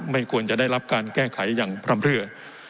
ไม่ควรจะได้รับการแก้ไขอย่างพร่ำเรือ